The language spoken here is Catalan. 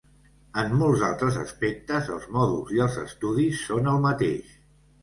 En molts altres aspectes, els mòduls i els estudis són el mateix.